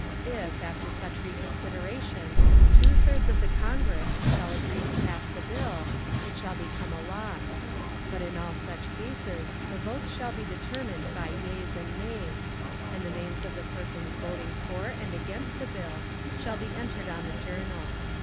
If, after such reconsideration, two thirds of the Congress shall agree to pass the bill, it shall become a law. But in all such cases the votes shall be determined by yeas and nays; and the names of the persons voting for and against the bill shall be entered on the journal.